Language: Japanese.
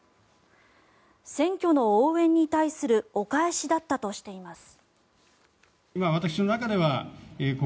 選挙の応援に対するお返しだったとしています。